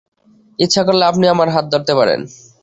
ইচ্ছা করলে আপনি আমার হাত ধরতে পারেন।